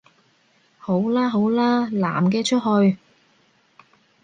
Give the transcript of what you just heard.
好喇好喇，男嘅出去